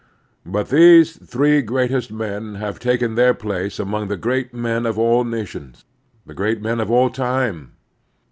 But these three greatest men have taken their place among the great men of all nations, the great men of all time.